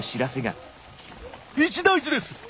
一大事です！